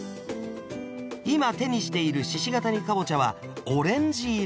今手にしている鹿ケ谷かぼちゃはオレンジ色。